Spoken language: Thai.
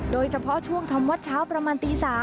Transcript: โดยเฉพาะช่วงทำวัดเช้าประมาณตี๓